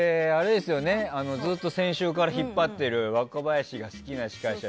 ずっと先週から引っ張ってる若林が好きな司会者